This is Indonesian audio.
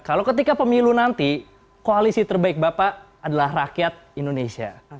kalau ketika pemilu nanti koalisi terbaik bapak adalah rakyat indonesia